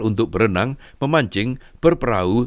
untuk berenang memancing berperahu